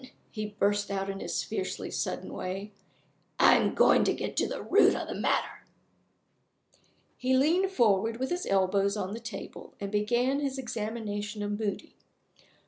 he burst out in his fiercely sudden way. "I'm going to get to the root of the matter." He leaned forward with his elbows on the table, and began his examination of Moody.